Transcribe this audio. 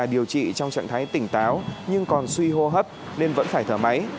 điều trị trong trạng thái tỉnh táo nhưng còn suy hô hấp nên vẫn phải thở máy